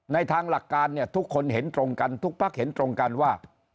ทางหลักการเนี่ยทุกคนเห็นตรงกันทุกพักเห็นตรงกันว่า